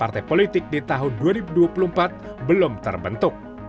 partai politik di tahun dua ribu dua puluh empat belum terbentuk